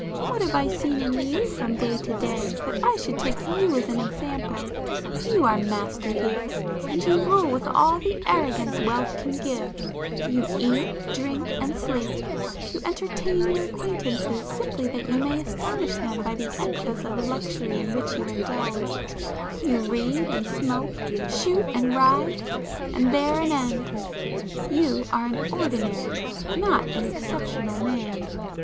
What have I seen in you from day to day that I should take you as an [p 338] example? You are master here, and you rule with all the arrogance wealth can give,—you eat, drink and sleep,—you entertain your acquaintances simply that you may astonish them by the excess of luxury in which you indulge,—you read and smoke, shoot and ride, and there an end,—you are an ordinary, not an exceptional man.